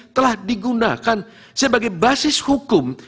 telah digunakan sebagai basis hukum